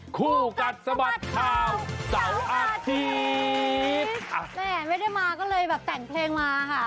คู่กัดสะบัดข่าวเสาร์อาทิตย์แม่ไม่ได้มาก็เลยแบบแต่งเพลงมาค่ะ